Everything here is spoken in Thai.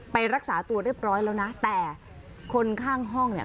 ไปรักษาตัวเรียบร้อยแล้วนะแต่คนข้างห้องเนี่ย